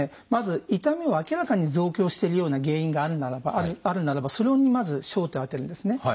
まず痛みを明らかに増強してるような原因があるならばそれにまず焦点を当てるんですね。